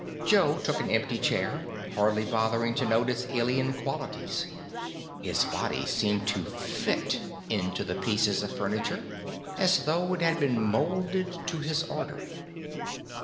Joe took an empty chair, hardly bothering to note its alien qualities. His body seemed to fit into the piece of furniture, as though it had been molded to his order.